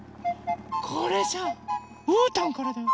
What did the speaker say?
これさうーたんからだよ！